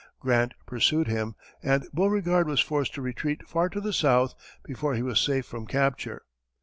Grant pursued him, and Beauregard was forced to retreat far to the south before he was safe from capture.